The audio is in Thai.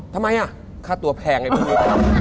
ทำไมอย่าค่าตัวแพงอย่างนี้